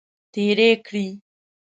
تیرې کړې.